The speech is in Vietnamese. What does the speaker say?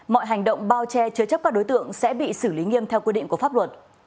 mọi hành động bao che chứa chấp các đối tượng sẽ bị xử lý nghiêm theo quy định của pháp luật